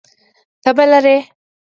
تبه لرئ؟